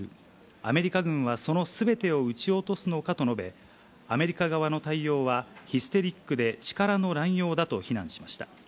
アメリカ軍はそのすべてを撃ち落とすのかと述べ、アメリカ側の対応はヒステリックで力の乱用だと非難しました。